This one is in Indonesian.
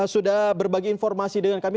sudah berbagi informasi dengan kami